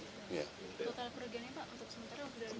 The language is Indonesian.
total pergiannya pak untuk sementara gudangnya